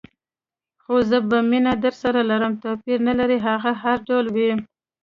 خو زه به مینه درسره لرم، توپیر نه لري هغه هر ډول وي.